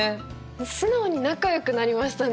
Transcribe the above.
素直に仲よくなりましたね